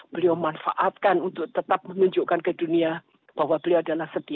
beliau manfaatkan untuk tetap menunjukkan ke dunia bahwa beliau adalah setia